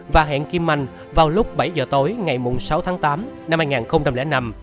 và hẹn kim manh vào lúc bảy h tối ngày sáu tháng tám năm hai nghìn năm